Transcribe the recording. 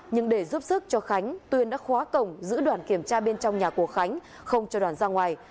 nhưng để giúp sức cho khánh tuyên đã khóa cổng giữ đoàn kiểm tra bên trong nhà của khánh không cho đoàn ra ngoài